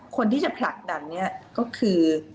คนที่จะผลักดันก็คือ